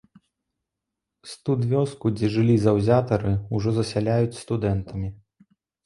Студвёску, дзе жылі заўзятары, ужо засяляюць студэнтамі.